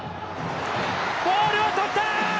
ボールを捕った！